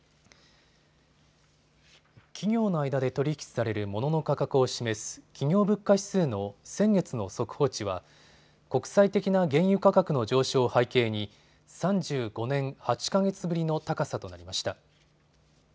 企業の間で取り引きされるモノの価格を示す企業物価指数の先月の速報値は国際的な原油価格の上昇を背景に３５年８か月ぶりの高さとなりました。